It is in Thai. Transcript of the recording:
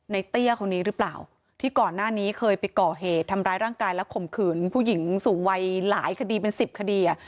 เตี้ยคนนี้หรือเปล่าที่ก่อนหน้านี้เคยไปก่อเหตุทำร้ายร่างกายและข่มขืนผู้หญิงสูงวัยหลายคดีเป็นสิบคดีอ่ะ